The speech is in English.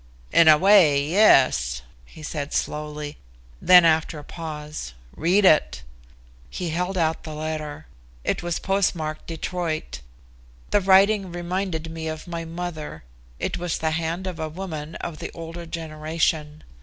"In a way, yes," he said slowly. Then after a pause. "Read it." He held out the letter. It was postmarked Detroit. The writing reminded me of my mother; it was the hand of a woman of the older generation.